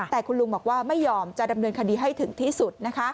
แต่คุณลุงบอกว่าไม่ยอมจะดำเนินคดีให้ถึงที่สุด